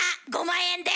５万円で！